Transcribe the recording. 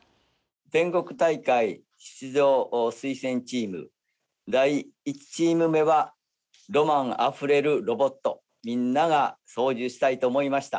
全国大会出場推薦チーム第１チーム目はロマンあふれるロボットみんなが操縦したいと思いました。